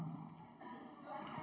terima kasih saya akan ngomong sebentar